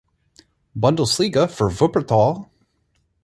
Bundesliga for Wuppertal.